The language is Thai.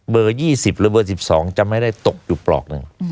๒๐หรือเบอร์๑๒จำไม่ได้ตกอยู่ปลอกหนึ่ง